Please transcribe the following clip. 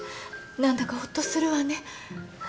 何だかほっとするわね。